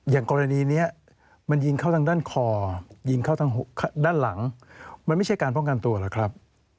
อย่างกรณีนี้มันยิงเข้าทางด้านคอยิงเข้าทางด้านหลังมันไม่ใช่การป้องกันตัวหรอกครับ